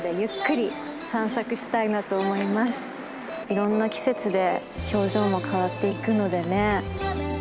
いろんな季節で表情も変わっていくのでね。